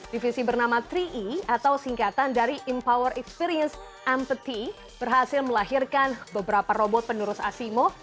divisi bernama tiga e atau singkatan dari empower experience ampty berhasil melahirkan beberapa robot penerus asimo